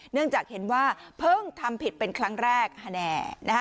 เนื่องจากเห็นว่าเพิ่งทำผิดเป็นครั้งแรก